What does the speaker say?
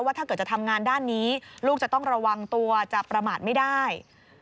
ถ้าเกิดจะทำงานด้านนี้ลูกจะต้องระวังตัวจะประมาทไม่ได้